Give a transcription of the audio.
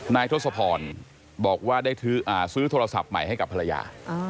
ทศพรบอกว่าได้ซื้อโทรศัพท์ใหม่ให้กับภรรยา